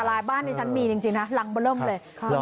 อันตรายบ้านในฉันมีจริงนะหลังบะเริ่มเลย